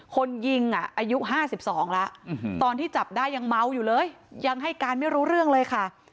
คนยิงอายุ๕๒แล้วตอนที่จับได้ยังเมาอยู่เลยยังให้การไม่รู้เรื่องเลยค่ะ